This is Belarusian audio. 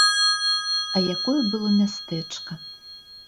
А якое было мястэчка!